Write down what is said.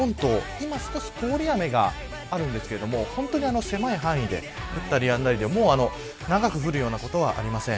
今、少し通り雨があるんですけど本当に狭い範囲で降ったりやんだりで長く降るようなことはありません。